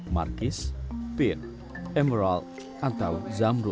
markis pin emerald atau zamru